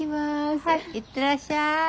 はい行ってらっしゃい。